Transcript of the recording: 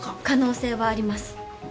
可能性はあります。